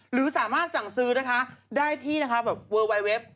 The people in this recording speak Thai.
หรือสามารถสั่งซื้อนะคะได้ที่เวิลไวต์เว็บ